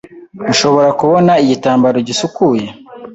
Nshobora kubona igitambaro gisukuye?